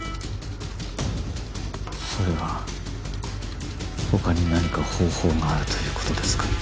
それは他に何か方法があるということですか？